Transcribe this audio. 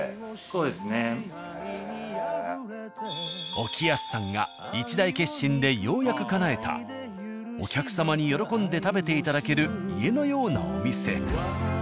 興泰さんが一大決心でようやくかなえたお客様に喜んで食べていただける家のようなお店。